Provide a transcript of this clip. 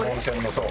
そう。